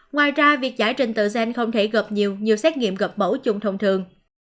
ngoài ra việc giải trình tựa gen không thể gặp nhiều nhiều xét nghiệm gặp bẫu chung thông thường